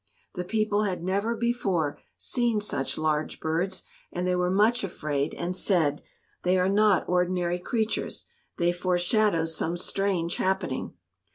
The people had never before seen such large birds, and they were much afraid and said, "They are not ordinary creatures. They foreshadow some strange happening."